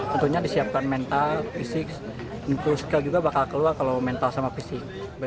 tentunya disiapkan mental fisik inklusical juga bakal keluar kalau mental sama fisik